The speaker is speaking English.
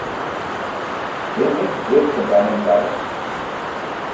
They make good companion parrots.